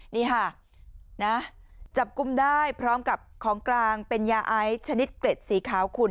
นี่ค่ะนะจับกลุ่มได้พร้อมกับของกลางเป็นยาไอซ์เกล็ดสีขาวขุ่น